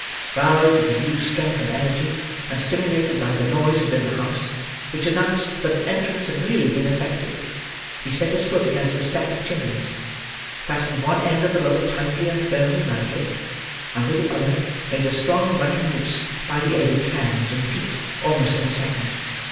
Roused into new strength and energy, and stimulated by the noise within the house which announced that an entrance had really been effected, he set his foot against the stack of chimneys, fastened one end of the rope tightly and firmly round it, and with the other made a strong running noose by the aid of his hands and teeth almost in a second.